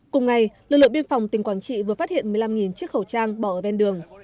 cùng ngày lực lượng biên phòng tỉnh quảng trị vừa phát hiện một mươi năm chiếc khẩu trang bỏ ở ven đường